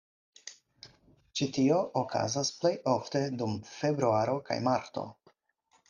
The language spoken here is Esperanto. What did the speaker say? Ĉi tio okazas plejofte dum februaro kaj marto.